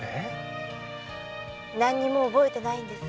何にも覚えてないんです。